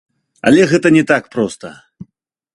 Але гэта не так проста.